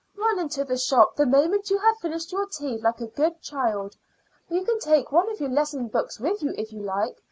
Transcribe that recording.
Run into the shop the moment you have finished your tea, like a good child. You can take one of your lesson books with you if you like.